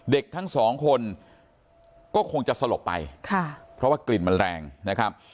เด็กทั้งสองคนก็คงจะสลบไปค่ะเพราะว่ากลิ่นมันแรงนะครับ